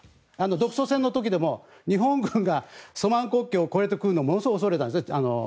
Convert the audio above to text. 独ソ戦でも日本軍が国境を越えてくるのをものすごい恐れたんですね。